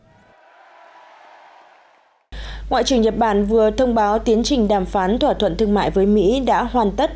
ngoại trưởng nhật bản vừa thông báo tiến trình đàm phán thỏa thuận thương mại với mỹ đã hoàn tất